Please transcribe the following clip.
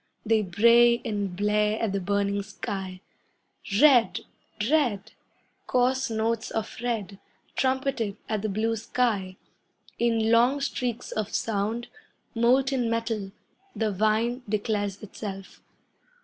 They bray and blare at the burning sky. Red! Red! Coarse notes of red, Trumpeted at the blue sky. In long streaks of sound, molten metal, The vine declares itself.